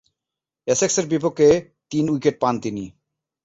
এসেক্সের বিপক্ষে তিন উইকেট পান তিনি।